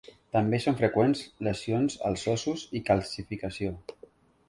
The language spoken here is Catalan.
També són freqüents lesions als ossos i calcificació.